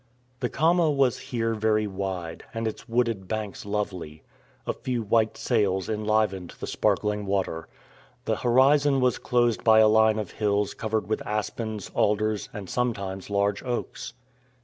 The Kama was here very wide, and its wooded banks lovely. A few white sails enlivened the sparkling water. The horizon was closed by a line of hills covered with aspens, alders, and sometimes large oaks.